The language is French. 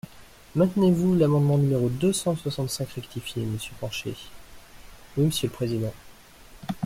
Maintenez-vous l’amendement numéro deux cent soixante-cinq rectifié, monsieur Pancher ? Oui, monsieur le président.